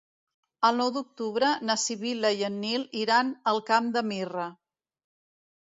El nou d'octubre na Sibil·la i en Nil iran al Camp de Mirra.